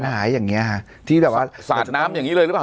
ก็เนี่ยปัญหาอย่างเงี้ยฮะที่แบบว่าสาดน้ำอย่างงี้เลยหรือเปล่า